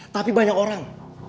tapi banyak orang